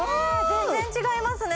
全然違いますね